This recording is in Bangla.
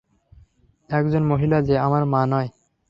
একজন মহিলা যে আমার মা নয়।